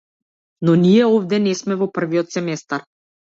Но ние овде не сме во првиот семестар.